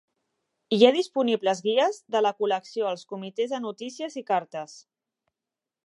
Hi ha disponibles guies de la col·lecció als comitès de notícies i cartes.